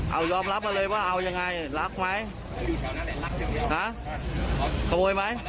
เอายอมรับมาเลยว่าเอายังไงรักไหมฮะขโมยไหม